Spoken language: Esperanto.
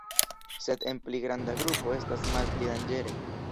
Sed en pli granda grupo estas malpli danĝere.